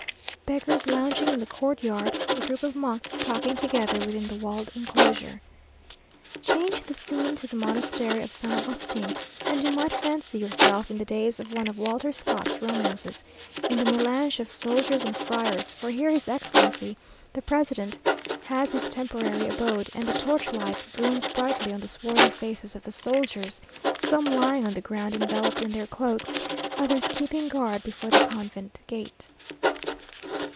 Beggars lounging in the courtyard a group of monks talking together within the walled enclosure.... Change the scene to the monastery of San Agustin, and you might fancy yourself in the days of one of Walter Scott's romances, in the melange of soldiers and friars; for here his Excellency the President has his temporary abode; and the torch light gleams brightly on the swarthy faces of the soldiers, some lying on the ground enveloped in their cloaks; others keeping guard before the convent gate.